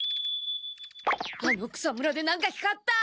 あの草むらで何か光った！